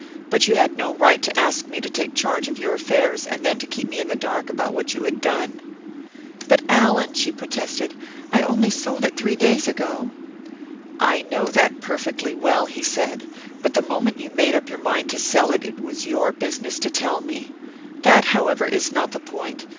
"But you had no right to ask me to take charge of your affairs, and then to keep me in the dark about what you had done." "But, Allan," she protested, "I only sold it three days ago." "I know that perfectly well," he said; "but the moment you made up your mind to sell it, it was your business to tell me. That, however, is not the point.